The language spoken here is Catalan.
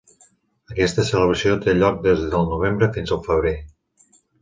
Aquesta celebració té lloc des del novembre fins al febrer.